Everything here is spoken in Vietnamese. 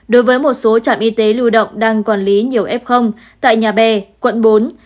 đối với một số trạm y tế lưu động đang quản lý nhiều f tại nhà bè quận bốn